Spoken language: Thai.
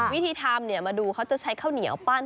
วิธีทำมาดูเขาจะใช้ข้าวเหนียวปั้น